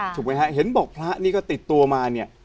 ถูกไหมฮะเห็นบอกพระนี่ก็ติดตัวมาเนี่ย